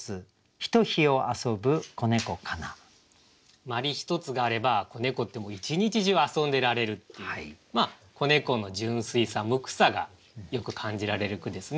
鞠ひとつがあれば子猫って一日中遊んでられるっていう子猫の純粋さ無垢さがよく感じられる句ですね。